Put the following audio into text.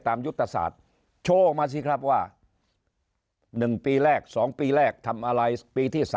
ตามยุทธศาสตร์โชว์มาสิครับว่า๑ปีแรก๒๑ทำอะไรปีที่๓